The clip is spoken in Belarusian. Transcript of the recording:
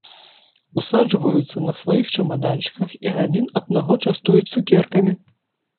Усаджваюцца на сваіх чамаданчыках і адзін аднаго частуюць цукеркамі.